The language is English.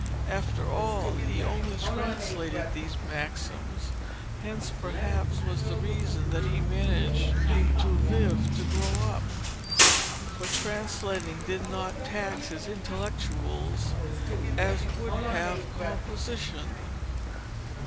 After all he only translated these maxims; hence, perhaps, was the reason that he managed to live to grow up. For translating did not tax his "intellectuals" as would have composition.